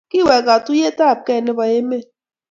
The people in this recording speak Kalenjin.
Kiwek katuyet ab kee nebo emet